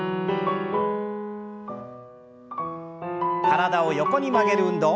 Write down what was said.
体を横に曲げる運動。